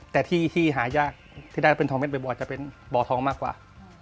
แต่ที่ที่หายากที่ได้เป็นทองเด็ดบ่อยจะเป็นบ่อทองมากกว่า